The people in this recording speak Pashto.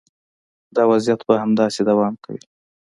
دا وضعیت به همداسې دوام کوي.